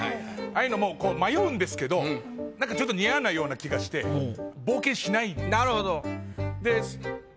ああいうのもこう迷うんですけどなんかちょっと似合わないような気がしてなるほど。